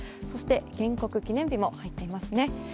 そして建国記念日も入っていますね。